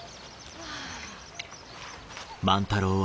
はあ。